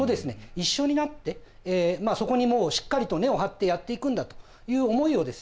一緒になってそこにもうしっかりと根を張ってやっていくんだという思いをですね